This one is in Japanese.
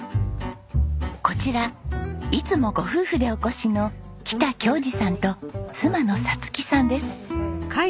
こちらいつもご夫婦でお越しの喜多京司さんと妻のさつきさんです。